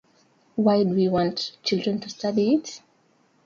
Why do we want children to study it?